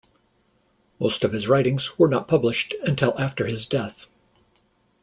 Most of his writings were not published until after his death.